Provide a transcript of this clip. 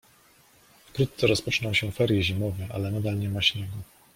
Wkrótce rozpoczną się ferie zimowe ale nadal nie ma śniegu